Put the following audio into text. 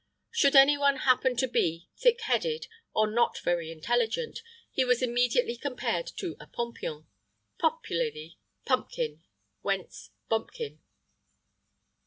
Should any one happen to be thick headed, or not very intelligent,[IX 106] he was immediately compared to a pompion (popularly, pumpkin whence bumpkin).